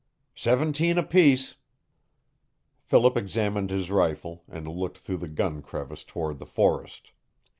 "Seventeen apiece." Philip examined his rifle, and looked through the gun crevice toward the forest.